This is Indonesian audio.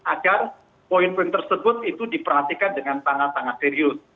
agar poin poin tersebut itu diperhatikan dengan sangat sangat serius